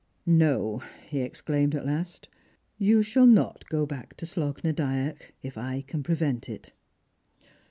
"No," he exclaimed at last; "you snail not go back to Slogh na Dyack, if I can prevent it."